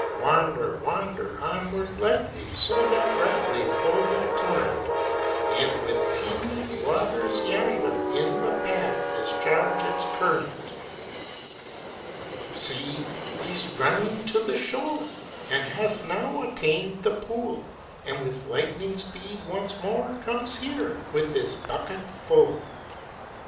Wander, wander Onward lightly, So that rightly Flow the torrent, And with teeming waters yonder In the bath discharge its current! See! he's running to the shore, And has now attain'd the pool, And with lightning speed once more Comes here, with his bucket full!